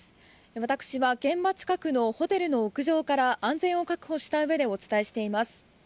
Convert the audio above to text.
私は現場近くのホテルの屋上から安全を確保したうえでお伝えしています。